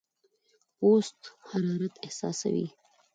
پوست حرارت احساسوي.